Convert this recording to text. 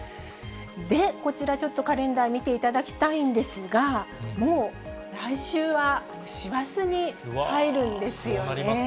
で、こちらちょっとカレンダー見ていただきたいんですが、もう来週はそうなりますね。